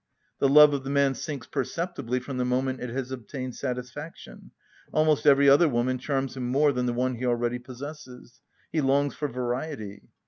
The love of the man sinks perceptibly from the moment it has obtained satisfaction; almost every other woman charms him more than the one he already possesses; he longs for variety.